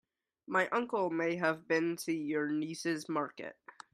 My uncle may have been to your niece's market.